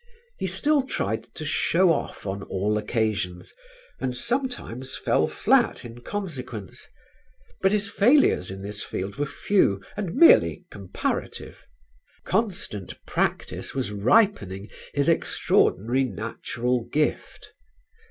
He still tried to show off on all occasions and sometimes fell flat in consequence; but his failures in this field were few and merely comparative; constant practice was ripening his extraordinary natural gift.